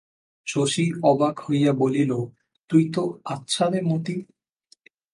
শশী অবাক হইয়া বলিল, তুই তো আচ্ছা রে মতি!